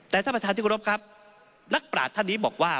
แต่ท่านประธานที่กรบครับนักปราศท่านนี้บอกว่า